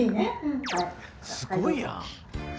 すごいやん。